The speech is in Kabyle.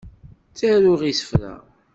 Ttaruɣ isefra.